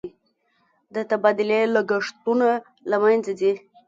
د تبادلې لګښتونه له مینځه ځي.